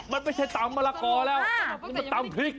มันไม่ใช่ตำมะละกอแล้วนี่มันตำพริก